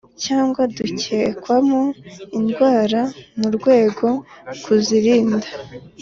Cyangwa dukekwamo indwara mu rwego kuzirinda